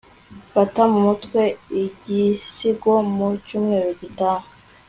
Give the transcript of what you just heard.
fata mu mutwe igisigo mu cyumweru gitaha